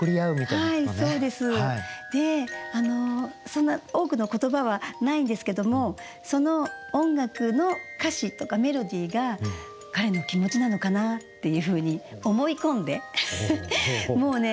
そんな多くの言葉はないんですけどもその音楽の歌詞とかメロディーが彼の気持ちなのかなっていうふうに思い込んでもうね